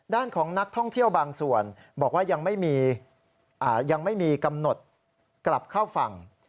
ด้านของนักท่องเที่ยวบางส่วนบอกว่ายังไม่มีกำหนดกลับเข้าฝั่ง